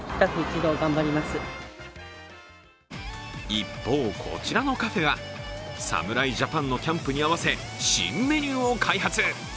一方、こちらのカフェは侍ジャパンのキャンプに合わせ新メニューを開発。